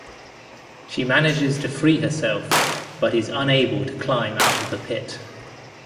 She manages to free herself but is unable to climb out of the pit.